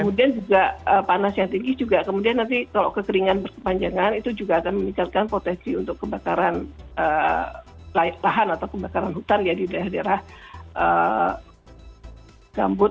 kemudian juga panas yang tinggi juga kemudian nanti kalau kekeringan berkepanjangan itu juga akan meningkatkan potensi untuk kebakaran lahan atau kebakaran hutan ya di daerah daerah gambut